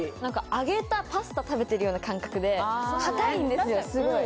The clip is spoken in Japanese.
揚げたパスタ食べてるような感覚で硬いんですねすごい。